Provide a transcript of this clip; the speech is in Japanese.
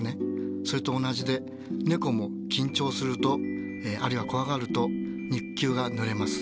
それと同じでねこも緊張するとあるいは怖がると肉球がぬれます。